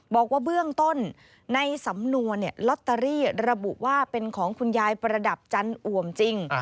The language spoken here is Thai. บอกว่าเบื้องต้นในสำนวนลอตเตอรี่ระบุว่าเป็นของคุณยายประดับจันอ่วมจริง